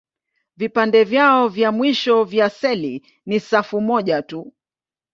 Vipande vyao vya mwisho vya seli ni safu moja tu.